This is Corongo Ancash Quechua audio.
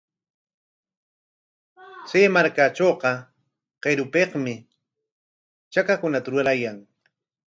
Chay markatrawqa qirupikmi chakakunata rurayan.